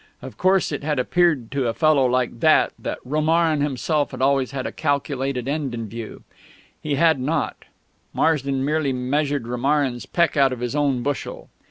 Of course, it had appeared to a fellow like that, that Romarin himself had always had a calculated end in view; he had not; Marsden merely measured Romarin's peck out of his own bushel.